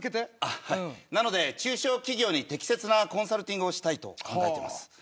なので、中小企業に適切なコンサルティングをしたいと考えています。